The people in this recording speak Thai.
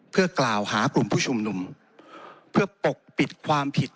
เพื่อกล่าวหากลุ่มผู้ชุมนุมเพื่อปกปิดความผิด